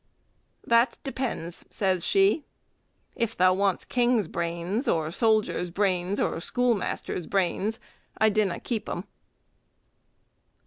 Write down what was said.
"That depends," says she, "if thou wants king's brains, or soldier's brains, or schoolmaster's brains, I dinna keep 'em."